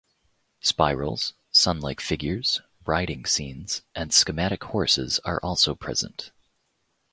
Spirals, sun-like figures, riding scenes, and schematic horses are also present.